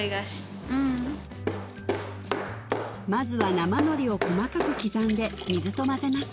まずは生のりを細かく刻んで水と混ぜます